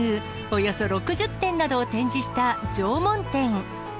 およそ６０点などを展示した縄文展。